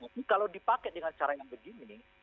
tapi kalau dipakai dengan cara yang begini